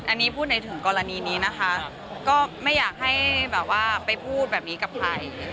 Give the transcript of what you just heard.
อันนี้พูดในถึงกรณีนี้นะคะก็ไม่อยากให้แบบว่าไปพูดแบบนี้กับใคร